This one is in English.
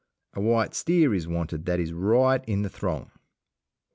A white steer is wanted that is right in the throng.